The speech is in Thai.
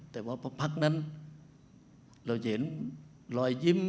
แต่ว่าพอพักนั้นเราจะเห็นรอยยิ้ม